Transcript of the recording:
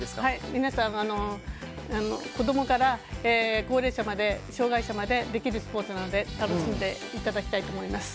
皆さん、子供から高齢者障害者までできるスポーツなので楽しんでいただきたいと思います。